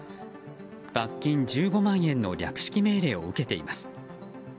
罰金１５万円の略式命令を受けています。